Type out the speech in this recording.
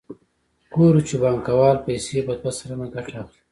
ګورو چې بانکوال پیسې په دوه سلنه ګټه اخلي